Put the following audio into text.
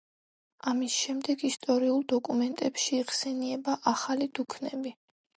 ამის შემდეგ ისტორიულ დოკუმენტებში იხსენიება „ახალი დუქნები“.